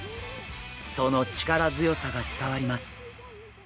その力強さが伝わります。